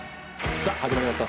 さぁ始まりました